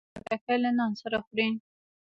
ځینې خلک خټکی له نان سره خوري.